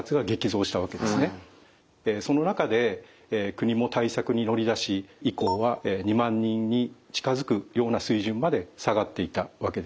その中で国も対策に乗り出し以降は２万人に近づくような水準まで下がっていたわけです。